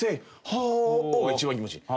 「Ｈｏ」が一番気持ちいい。